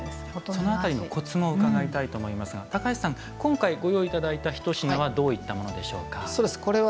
その辺りのコツも伺いたいと思いますが今回ご用意いただいたひと品はどういったものでしょうか？